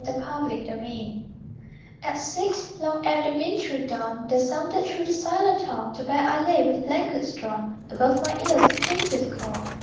THE MUSIC BOX At six long ere the wintry dawn There sounded through the silent hall To where I lay, with blankets drawn Above my ears, a plaintive call.